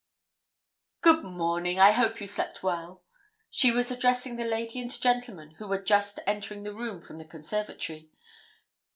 'Good morning. I hope you slept well.' She was addressing the lady and gentleman who were just entering the room from the conservatory.